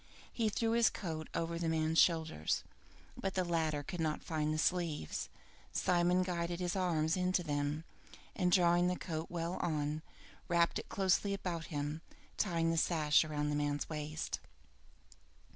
He threw his coat over the man's shoulders, but the latter could not find the sleeves. Simon guided his arms into them, and drawing the coat well on, wrapped it closely about him, tying the sash round the man's waist.